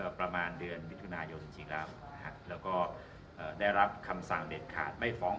ประมาณเดือนมิถุนายนจริงแล้วนะฮะแล้วก็เอ่อได้รับคำสั่งเด็ดขาดไม่ฟ้อง